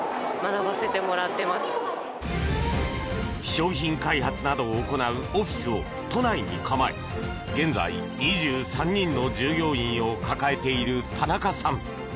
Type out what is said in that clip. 商品開発などを行うオフィスを都内に構え現在２３人の従業員を抱えている田中さん。